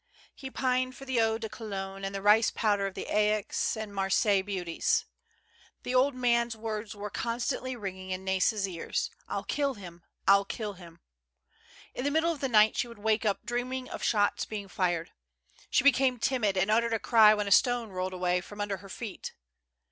He pined for the eau de Cologne and the rice powder of the Aix and Marseilles beauties. The old man's words were constantly ringing in NaiV ears: "I'll kill him, I'Jl kill himl" In the middle of the night she would wake up, dreaming of shots being fired. She became timid, and uttered a cry when a stone rolled away from under her feet.